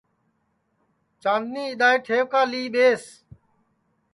چاندنی اِدؔائے ٹھئوکا لی ٻیس